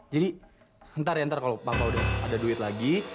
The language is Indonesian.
jadi ntar ya ntar kalau papa udah ada duit lagi